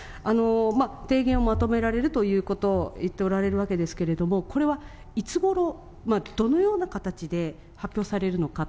提言をまとめられるということを言っておられるわけですけれども、これは、いつごろ、どのような形で発表されるのかと。